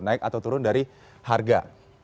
naik atau turun dari harga